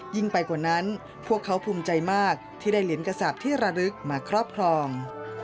ไปกว่านั้นพวกเขาภูมิใจมากที่ได้เหรียญกระสาปที่ระลึกมาครอบครอง